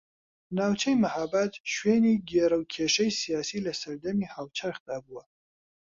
ناوچەی مەھاباد شوێنی گێرەوکێشەی سیاسی لە سەردەمی هاوچەرخدا بووە